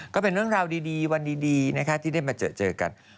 ก็เป็นเรื่องราวดีวันดีนะคะที่ได้มาเจอกัน